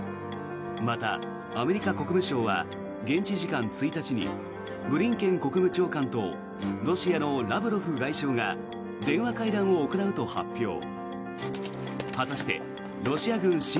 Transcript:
また、アメリカ国務省は現地時間１日にブリンケン国務長官とロシアのラブロフ外相が電話会談を行うと発表。